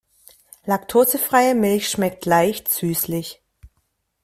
Laktosefreie Milch schmeckt leicht süßlich.